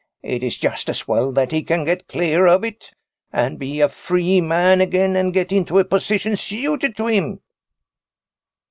It is just as well that he can get clear of it, and be a free man again and get into a position suited to him."